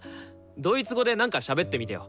ドイツ語でなんかしゃべってみてよ。